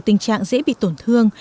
tình trạng dễ bị tổn thương